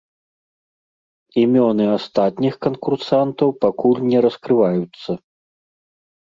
Імёны астатніх канкурсантаў пакуль не раскрываюцца.